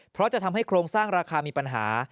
เพราะจะทำให้โครงสร้างราคามีปัญหา